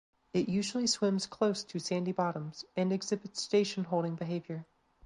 It usually swims close to sandy bottoms and exhibits station holding behavior.